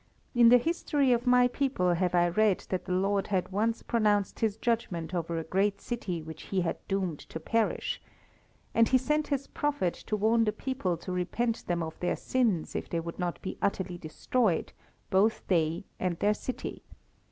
In the history of my people have I read that the Lord had once pronounced His judgment over a great city which He had doomed to perish. And He sent His prophet to warn the people to repent them of their sins if they would not be utterly destroyed, both they and their city.